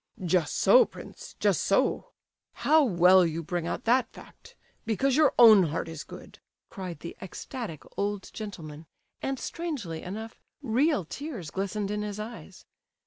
"Just so, prince, just so. How well you bring out that fact! Because your own heart is good!" cried the ecstatic old gentleman, and, strangely enough, real tears glistened in his eyes.